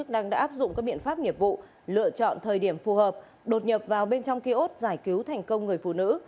đã áp dụng các biện pháp nghiệp vụ lựa chọn thời điểm phù hợp đột nhập vào bên trong kia ốt giải cứu thành công người phụ nữ